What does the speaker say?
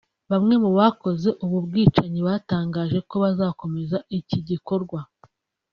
Bamwe mu bakoze ubu bwicanyi batangaje ko bazakomeza iki gikorwa